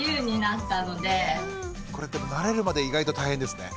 これでも慣れるまで意外と大変ですね。